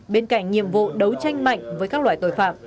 bên cạnh nhiệm vụ đấu tranh mạnh với các loại tội phạm